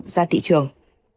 ra thị trường